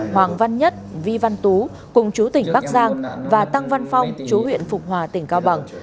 hoàng văn nhất vi văn tú cùng chú tỉnh bắc giang và tăng văn phong chú huyện phục hòa tỉnh cao bằng